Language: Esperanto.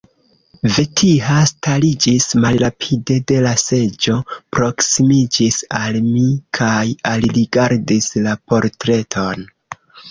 Vetiha stariĝis malrapide de la seĝo, proksimiĝis al mi kaj alrigardis la portreton.